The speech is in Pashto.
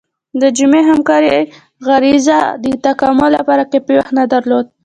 د جمعي همکارۍ غریزه د تکامل لپاره کافي وخت نه درلود.